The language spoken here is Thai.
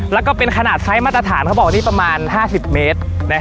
แล้วก็เป็นขนาดไฟล์มาตรฐานประมาณ๕๐เมตร